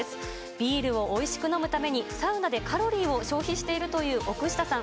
ビールをおいしく飲むために、サウナでカロリーを消費しているという奥下さん。